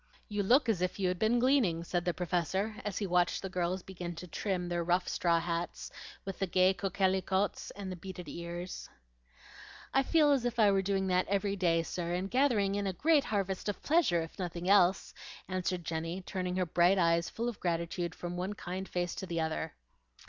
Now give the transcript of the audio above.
"You look as if you had been gleaning," said the Professor, as he watched the girls begin to trim their rough straw hats with the gay coquelicots and the bearded ears. "I feel as if I were doing that every day, sir, and gathering in a great harvest of pleasure, if nothing else," answered Jenny, turning her bright eyes full of gratitude from one kind face to the other.